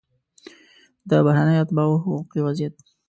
د بهرنیو اتباعو حقوقي وضعیت